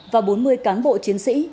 và bốn mươi cán bộ chiến sĩ